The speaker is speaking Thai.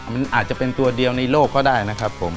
มันอาจจะเป็นตัวเดียวในโลกก็ได้นะครับผม